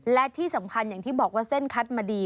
และที่สำคัญอย่างที่บอกว่าเส้นคัดมาดี